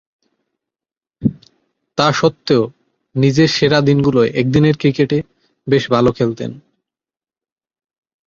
তাসত্ত্বেও, নিজের সেরা দিনগুলোয় একদিনের ক্রিকেটে বেশ ভালো খেলতেন।